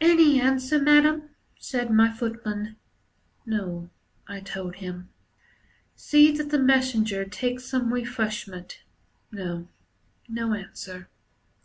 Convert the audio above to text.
"Any answer, Madam," said my footman. "No," I told him. "See that the messenger takes some refreshment. No, no answer."